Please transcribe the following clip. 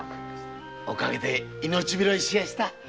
おかげで命拾いしやした。